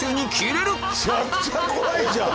めちゃくちゃ怖いじゃん！